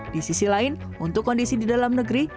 di sisi lain untuk kondisi di dalam negeri